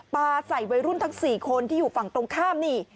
ปลาใส่วัยรุ่นทั้ง๔คนที่อยู่ฝั่งตรงข้ามนี่